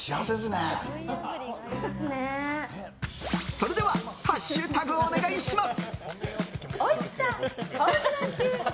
それではハッシュタグお願いします。